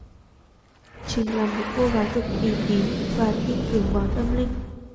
Trình là một cô gái cực kỳ tín và tin tưởng vào tâm linh